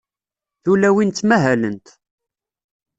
Tulawin ttmahalent.